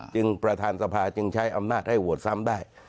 ประธานสภาจึงใช้อำนาจให้โหวตซ้ำได้